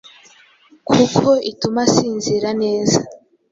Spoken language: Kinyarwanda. kuko ituma asinzira neza